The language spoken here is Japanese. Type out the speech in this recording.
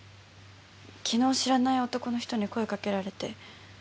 昨日知らない男の人に声かけられて。